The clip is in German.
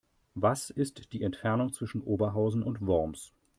Was ist die Entfernung zwischen Oberhausen und Worms?